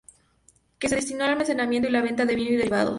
Que se destinó al almacenamiento y la venta de vino y derivados.